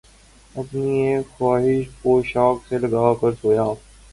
اپنی اِک خواہشِ پوشاک سے لگ کر سویا